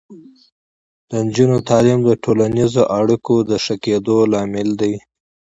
د نجونو تعلیم د ټولنیزو اړیکو د ښه کیدو لامل دی.